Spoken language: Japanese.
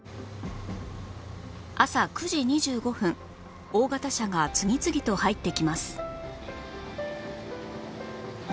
朝９時２５分大型車が次々と入ってきます